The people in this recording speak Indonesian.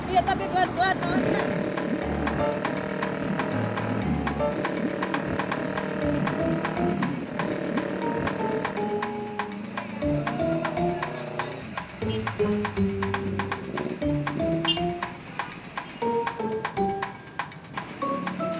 iya tapi pelan pelan non